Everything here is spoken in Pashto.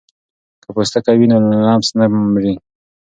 که پوستکی وي نو لمس نه مري.